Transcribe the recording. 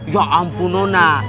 ya ampun nona